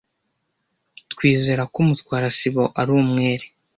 Twizera ko Mutwara sibo ari umwere.